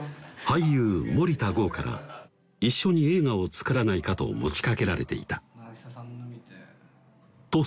俳優・森田剛から一緒に映画を作らないかと持ちかけられていたと